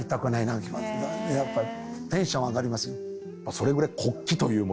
それぐらい。